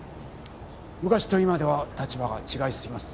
昔と今では立場が違いすぎます。